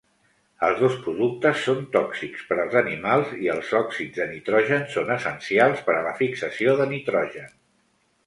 Els dos productes són tòxics per als animals i els òxids de nitrogen són essencials per a la fixació de nitrogen.